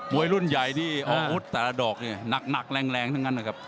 วยรุ่นใหญ่นี่อาวุธแต่ละดอกเนี่ยหนักแรงทั้งนั้นนะครับ